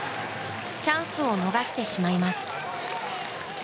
チャンスを逃してしまいます。